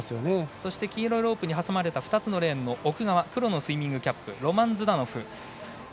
そして黄色いロープに挟まれた２つのレーンの奥側黒のスイミングキャップロマン・ズダノフ。